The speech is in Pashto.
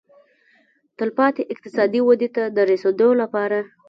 تلپاتې اقتصادي ودې ته د رسېدو لپاره.